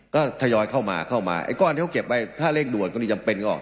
ก็ทยอยเข้ามาเข้ามาไอ้ก้อนที่เขาเก็บไว้ถ้าเร่งด่วนก็มีจำเป็นก็ออก